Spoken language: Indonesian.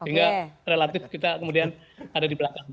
sehingga relatif kita kemudian ada di belakang